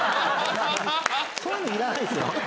そういうのいらないんですよ。